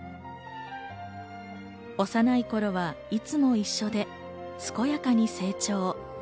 幼い頃はいつも一緒で、健やかに成長。